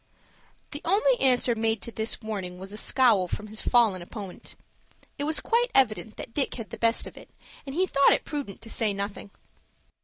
The only answer made to this warning was a scowl from his fallen opponent. It was quite evident that Dick had the best of it, and he thought it prudent to say nothing.